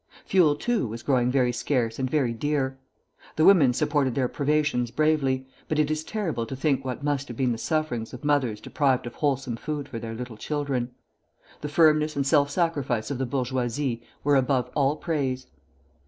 Fuel, too, was growing very scarce and very dear. The women supported their privations bravely, but it is terrible to think what must have been the sufferings of mothers deprived of wholesome food for their little children. The firmness and self sacrifice of the bourgeoisie were above all praise.